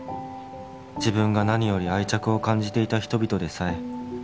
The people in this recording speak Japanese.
「自分が何より愛着を感じていた人々でさえ」